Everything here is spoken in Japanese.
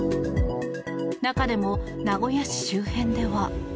中でも名古屋市周辺では。